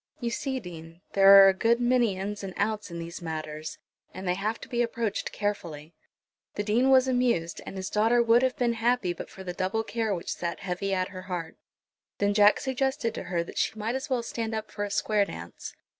You see, Dean, there are a good many in's and out's in these matters, and they have to be approached carefully." The Dean was amused, and his daughter would have been happy, but for the double care which sat heavy at her heart. Then Jack suggested to her that she might as well stand up for a square dance.